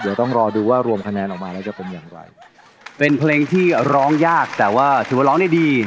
เดี๋ยวต้องรอดูว่ารวมคะแนนออกมาแล้วจะเป็นอย่างไรเป็นเพลงที่ร้องยากแต่ว่าถือว่าร้องได้ดี